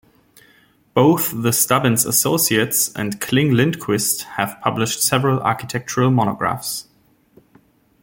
Both The Stubbins Associates and Kling-Lindquist have published several architectural monographs.